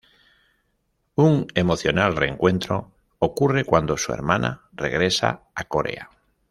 Un emocional reencuentro ocurre cuándo su hermana regresa a Corea.